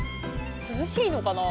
涼しいのかな？